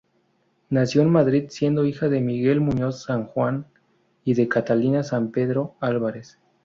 Nació en Madrid, siendo hija de Miguel Muñoz Sanjuán y de Catalina Sampedro Álvarez.